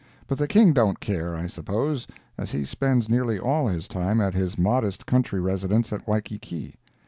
But the King don't care, I suppose, as he spends nearly all his time at his modest country residence at Waikiki.